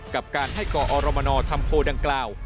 กับการให้กอรมนทำโพลดังกล่าว